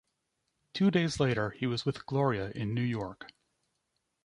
Two days later he was with Gloria in New York.